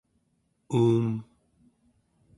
uum